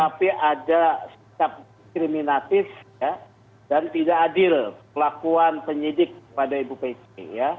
tetapi ada sikap diskriminatif dan tidak adil kelakuan penyidik pada ibu pc ya